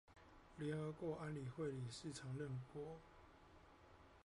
聯合國安全理事會常任理事國